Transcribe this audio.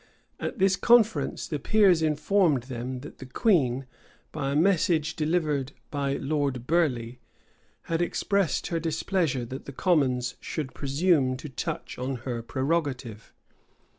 At this conference, the peers informed them, that the queen, by a message delivered by Lord Burleigh, had expressed her displeasure that the commons should presume to touch on her prerogative.